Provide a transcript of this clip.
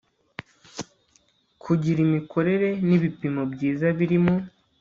kugira imikorere n ibipimo byiza biri mu